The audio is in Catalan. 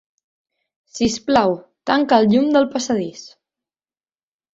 Sisplau, tanca el llum del passadís.